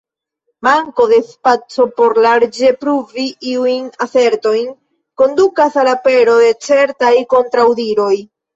Manko de spaco por larĝe pruvi iujn asertojn kondukas al apero de certaj kontraŭdiroj.